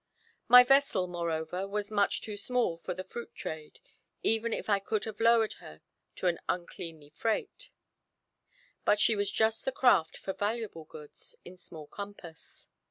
My vessel, moreover, was much too small for the fruit trade, even if I could have lowered her to an uncleanly freight; but she was just the craft for valuable goods in small compass.